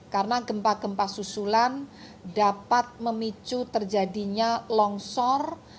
karena gempa gempa susulan dapat memicu terjadinya longsor